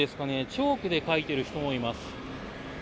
チョークで書いている人もいます。